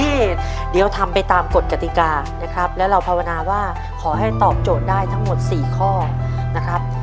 เดี๋ยวทำไปตามกฎกติกานะครับแล้วเราภาวนาว่าขอให้ตอบโจทย์ได้ทั้งหมด๔ข้อนะครับ